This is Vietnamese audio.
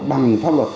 bằng pháp luật